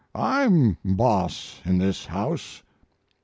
I'm boss in this house."